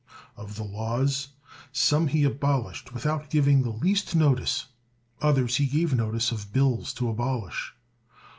Of the laws, some he abol ished without giving the least notice; others he gave notice of bills to abolish.